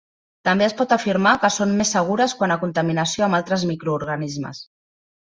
També es pot afirmar que són més segures quant a contaminació amb altres microorganismes.